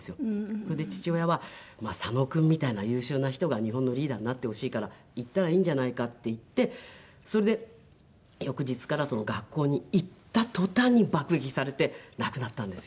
それで父親は「サノ君みたいな優秀な人が日本のリーダーになってほしいから行ったらいいんじゃないか」って言ってそれで翌日から学校に行った途端に爆撃されて亡くなったんですよ。